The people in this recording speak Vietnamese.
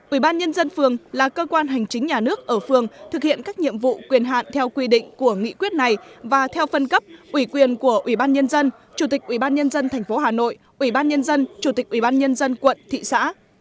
ủy ban nhân dân phường là cơ quan hành chính nhà nước ở phương thực hiện các nhiệm vụ quyền hạn theo quy định của nghị quyết này và theo phân cấp ủy quyền của ủy ban nhân dân chủ tịch ủy ban nhân dân thành phố hà nội ủy ban nhân dân chủ tịch ủy ban nhân dân quận thị xã